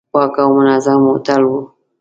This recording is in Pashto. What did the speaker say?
پاک او منظم هوټل و.